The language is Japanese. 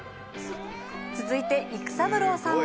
続いて育三郎さんは。